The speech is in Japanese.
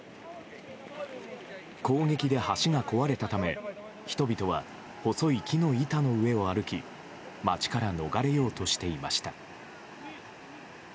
攻撃で橋が壊れたため人々は細い木の板の上を歩き街から逃れようとしていました。